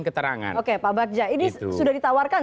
keterangan oke pak bagja ini sudah ditawarkan